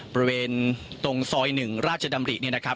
ประเวนตรงซอยหนึ่งราชดำรีเนี่ยนะครับ